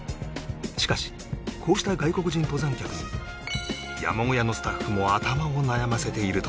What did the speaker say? しかしこうした外国人登山客に山小屋のスタッフも頭を悩ませているという